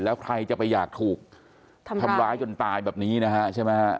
แล้วใครจะไปอยากถูกทำร้ายจนตายแบบนี้นะฮะใช่ไหมฮะ